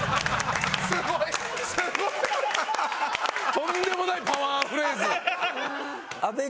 とんでもないパワーフレーズ！